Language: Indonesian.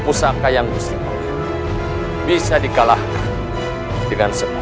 tidak ada yang bisa dikalahkan